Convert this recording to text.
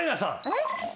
えっ。